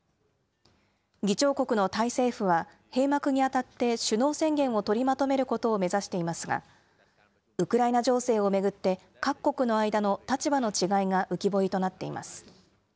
議長国のタイ政府は、閉幕に当たって、首脳宣言を取りまとめることを目指していますが、ウクライナ情勢を巡って、各国の間の立場の違いが浮き彫りとなっています。